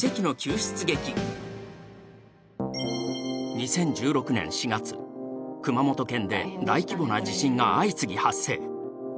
２０１６年４月、熊本県で大規模な地震が相次ぎ発生。